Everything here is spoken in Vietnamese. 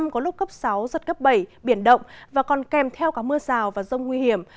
có lúc cấp sáu giật cấp bảy biển động và còn kèm theo cả mưa rào và rông nguy hiểm